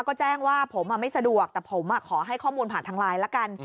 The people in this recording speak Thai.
ก็แจ้งว่าผมไม่สะดวกแต่ผมขอให้ข้อมูลผ่านทางไลน์ละกัน